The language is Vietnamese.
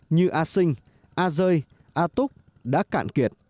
như a sinh a rơi a túc đã cạn kiệt